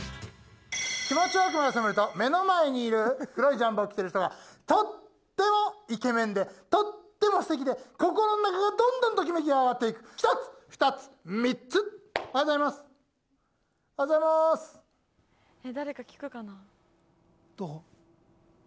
気持ちよく目が覚めると目の前にいる黒いジャンパーを着てる人がとってもイケメンでとっても素敵で心の中がどんどんときめき上がっていくひとつふたつみっつおはようございますおはようございまーすどう？